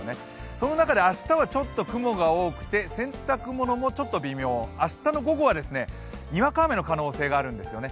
その中で明日はちょっと雲が多くて洗濯物もちょっと微妙、明日の午後はにわか雨の可能性があるんですよね。